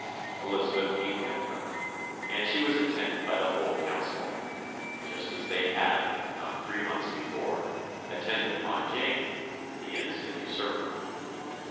Elizabeth came with her, and she was attended by the whole Council just as they had, not three months before, attended upon Jane, the innocent usurper.